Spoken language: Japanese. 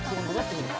くるか！？